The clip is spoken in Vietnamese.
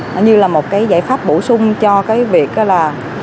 nó như là một cái giải pháp bổ sung cho cái việc là